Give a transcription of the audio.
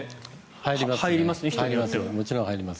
入ります。